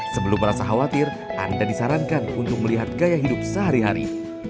sebelum merasa khawatir anda disarankan untuk melihat gaya hidup sehari hari